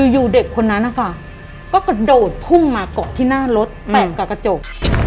อยู่เด็กคนนั้นนะคะก็กระโดดพุ่งมาเกาะที่หน้ารถแตะกับกระจก